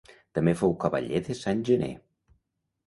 També fou cavaller de Sant Gener.